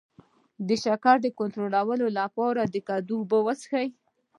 د شکر کنټرول لپاره د کدو اوبه وڅښئ